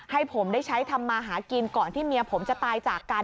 ให้ผมได้ใช้ทำมาหากินก่อนที่เมียผมจะตายจากกัน